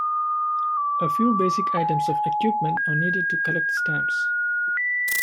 A few basic items of equipment are needed to collect stamps.